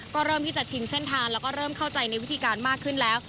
ก็เริ่มที่จะชินเส้นทางแล้วก็เริ่มเข้าใจในวิธีการมากขึ้นแล้ว